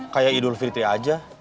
kayak idul fitri aja